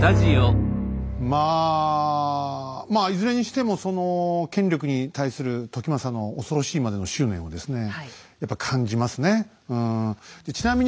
まあまあいずれにしてもその権力に対する時政の恐ろしいまでの執念をですねやっぱ感じますね。